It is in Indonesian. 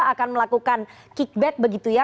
akan melakukan kickback begitu ya